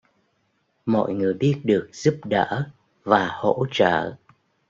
Mọi người biết được giúp đỡ và hỗ trợ